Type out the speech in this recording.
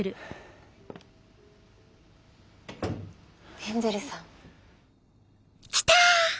ヘンゼルさん。来た！